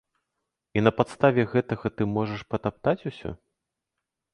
І на падставе гэтага ты можаш патаптаць усё?